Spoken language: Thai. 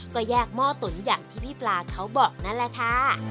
ก็แยกหม้อตุ๋นอย่างที่พี่ปลาเขาบอกนั่นแหละค่ะ